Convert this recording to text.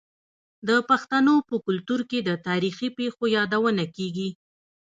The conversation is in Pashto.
د پښتنو په کلتور کې د تاریخي پیښو یادونه کیږي.